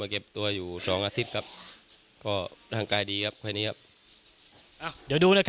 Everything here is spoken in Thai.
แล้วก็บังสองไว้หน่อย